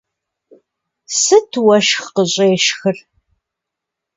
Сыт уэшх къыщӀешхыр?